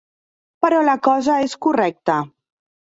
Però la cosa és correcta.